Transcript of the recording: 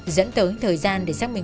dẫn tới thời gian để xác minh